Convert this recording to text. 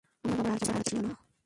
আমার বাবার আর কিছু করার ছিল না।